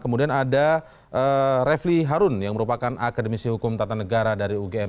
kemudian ada refli harun yang merupakan akademisi hukum tata negara dari ugm